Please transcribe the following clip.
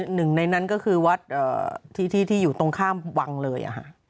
หนึ่งในนั้นก็คือวัดที่ที่อยู่ตรงข้ามวังเลย